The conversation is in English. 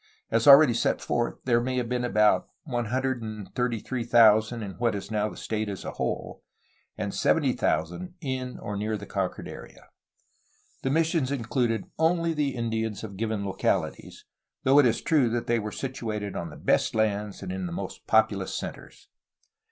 As already set forth, there may have been about 133,000 in what is now the state as a whole, and 70,000 in or near the conquered area. The missions included only the Indians of given localities, though it is true that they were situated on the best lands and in the most populous centres.